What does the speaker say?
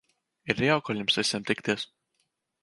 Ir jauki ar jums visiem tikties.